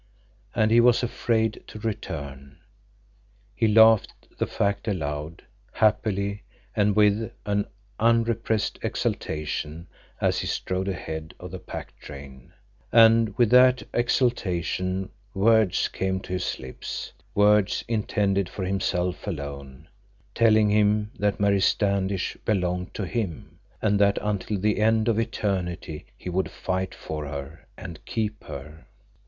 And he was afraid to return. He laughed the fact aloud, happily and with an unrepressed exultation as he strode ahead of the pack train, and with that exultation words came to his lips, words intended for himself alone, telling him that Mary Standish belonged to him, and that until the end of eternity he would fight for her and keep her.